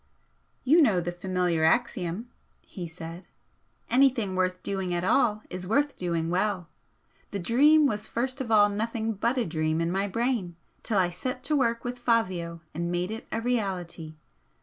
"You know the familiar axiom," he said "'Anything worth doing at all is worth doing well.' The 'Dream' was first of all nothing but a dream in my brain till I set to work with Fazio and made it a reality.